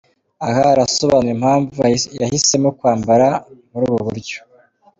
Aha arasobanura impamvu yahisemo kwambara muri ubu buryo.